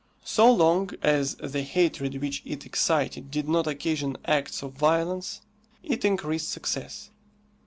So long as the hatred which it excited did not occasion acts of violence, it increased success.